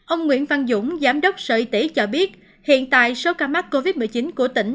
ông nguyễn văn dũng giám đốc sở y tế cho biết hiện tại số ca mắc covid một mươi chín của tỉnh